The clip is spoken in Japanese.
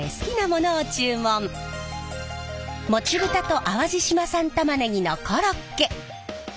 もち豚と淡路島産たまねぎのコロッケ。